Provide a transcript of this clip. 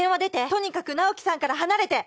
「とにかく直木さんから離れて」